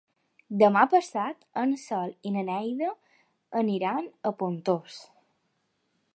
Demà passat en Sol i na Neida aniran a Pontós.